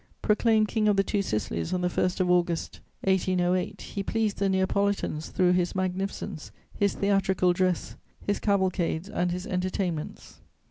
Proclaimed King of the Two Sicilies on the 1st of August 1808, he pleased the Neapolitans through his magnificence, his theatrical dress, his cavalcades and his entertainments.